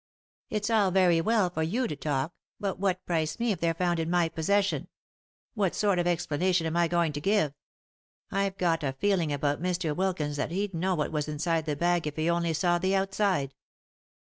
" It's all very well for you to talk ; but what price me if they're found in my possession ? What sort of explanation am I going to give ? I've got a feeling about Mr. Wilkins that he'd know what was inside the bag if he only saw the outside.